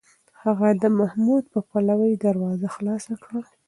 هغه د محمود په پلوۍ دروازه خلاصه کړه.